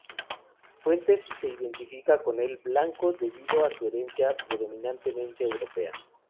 Fuentes se identifica con el blanco debido a su herencia predominantemente europea.